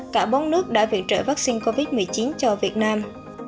cả bốn nước đã viện trợ vaccine covid một mươi chín cho việt nam